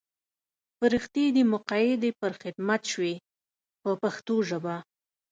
فرښتې دې مقیدې پر خدمت شوې په پښتو ژبه.